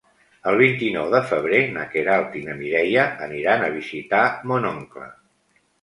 El vint-i-nou de febrer na Queralt i na Mireia aniran a visitar mon oncle.